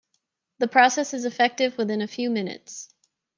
The process is effective within a few minutes.